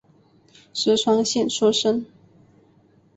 石川县出身。